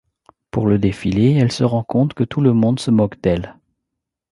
Pour le défilé, elle se rend compte que tout le monde se moque d'elle.